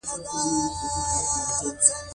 د خپل ځان څخه اخلي دا حقیقت دی.